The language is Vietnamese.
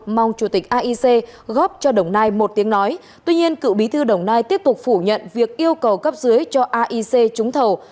mong chủ tịch aic góp cho đồng nai một tiếng nói tuy nhiên cựu bí thư đồng nai tiếp tục phủ nhận việc yêu cầu cấp dưới cho aic trúng thầu